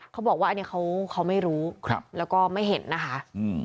เขาบอกว่าอันนี้เขาไม่รู้แล้วก็ไม่เห็นนะคะ